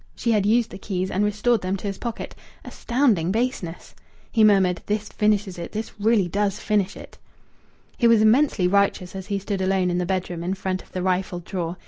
She had used the keys and restored them to his pocket. Astounding baseness! He murmured: "This finishes it. This really does finish it." He was immensely righteous as he stood alone in the bedroom in front of the rifled drawer.